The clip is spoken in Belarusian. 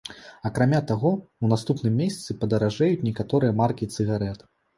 Акрамя таго, у наступным месяцы падаражэюць некаторыя маркі цыгарэт.